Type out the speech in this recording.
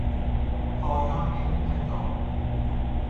پایان این کتاب